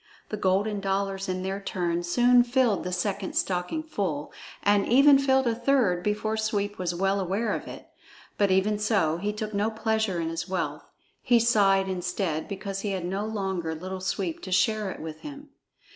The golden dollars in their turn soon filled the second stocking full, and even filled a third before Sweep was well aware of it. But even so, he took no pleasure in his wealth; he sighed instead because he had no longer Little Sweep to share it with him.